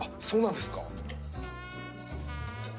そうなんですか